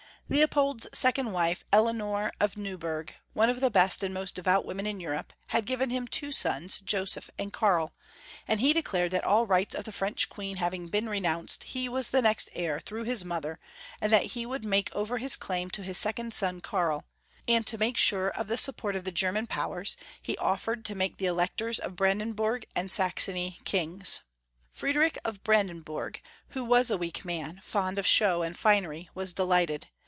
Leopold's second wife, Eleonore of Neuburg, one of the best and most devout women in Europe, had given him two sons, Joseph and Karl, and he de clared that all rights of the French queen having been renounced, he was the next heir through his mother, and that he would make over his claim to his second son, Karl ; and to make sure of the sup port of the German powers, he offered to make the Electors of Brandenburg and Saxony kings. Fried rich of Brandenburg, who was a weak man, fond of show and finery, was delighted.